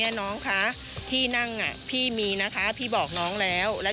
เด็กเขาเดินตามกันมา